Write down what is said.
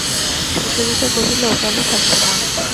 সুচরিতা কহিল, কেন থাকব না!